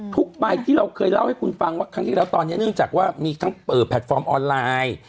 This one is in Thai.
ใบที่เราเคยเล่าให้คุณฟังว่าครั้งที่แล้วตอนนี้เนื่องจากว่ามีทั้งแพลตฟอร์มออนไลน์